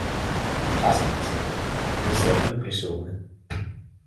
Præsten talte, en salme blev sunget.